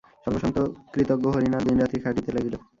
সর্বস্বান্ত কৃতজ্ঞ হরিনাথ দিনরাত্রি খাটিতে লাগিল।